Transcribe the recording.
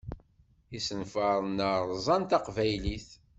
Isenfaṛen-a rzan Taqbaylit.